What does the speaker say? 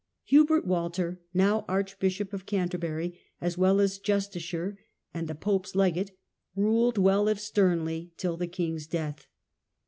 Hubert Walter, now Archbishop of Canterbury as well as justiciar and the pope^s legate, ruled well if sternly till the king's death.